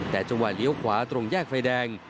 แต่จังหวะเลี้ยวขวาตรงแยกไฟแดง